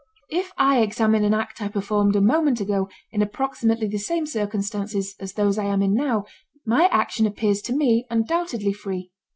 If I examine an act I performed a moment ago in approximately the same circumstances as those I am in now, my action appears to me undoubtedly free.